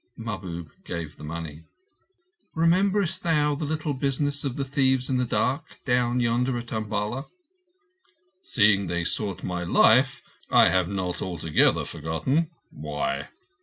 Mahbub gave the money. "Rememberest thou the little business of the thieves in the dark, down yonder at Umballa?" "Seeing they sought my life, I have not altogether forgotten. Why?"